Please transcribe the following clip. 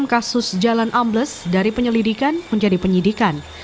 dan kasus jalan ambles dari penyelidikan menjadi penyidikan